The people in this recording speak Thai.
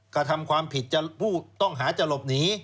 กระทำความผิดผู้ต้องหาจะหลบหนี